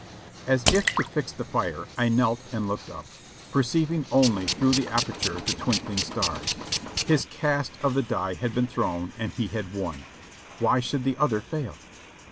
As if to fix the fire, I knelt and looked up, perceiving only through the aperture the twinkling stars. His cast of the die had been thrown and he had won, why should the other fail?